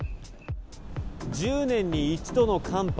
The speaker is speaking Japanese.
１０年に一度の寒波。